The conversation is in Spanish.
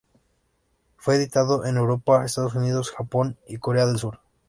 Fue editado en Europa, Estados Unidos, Japón y Corea del Sur.